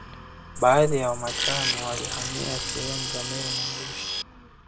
Baadhi ya Wamachame walihamia sehemu za Meru na Arusha